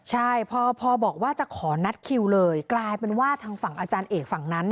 ใช่พอบอกว่าจะขอนัดคิวเลยกลายเป็นว่าทางฝั่งอาจารย์เอกฝั่งนั้น